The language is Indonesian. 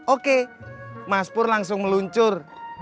oke mas pur langsung meluncur